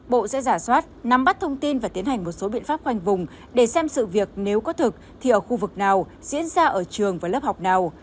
bộ sẽ giả soát nắm bắt thông tin và tiến hành một số biện pháp khoanh vùng để xem sự việc nếu có thực thì ở khu vực nào diễn ra ở trường và lớp học nào